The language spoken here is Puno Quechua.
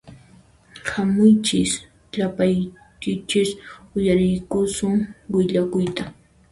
Hamuychis llapaykichis uyariykusun willakuyta